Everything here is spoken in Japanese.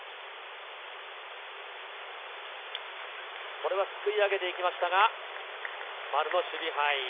これはすくい上げて行きましたが、丸の守備範囲。